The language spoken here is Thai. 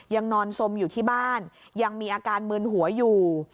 ยังนอนสมอยู่ที่บ้านยังมีอาการมืนหัวอยู่